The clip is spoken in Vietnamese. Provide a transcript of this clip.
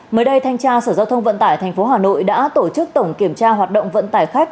mới đây thanh tra sở giao thông vận tải tp hà nội đã tổ chức tổng kiểm tra hoạt động vận tải khách